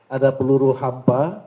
ada peluru hampa